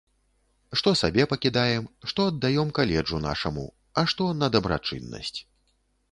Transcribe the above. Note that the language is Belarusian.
Што сабе пакідаем, што аддаём каледжу нашаму, а што на дабрачыннасць.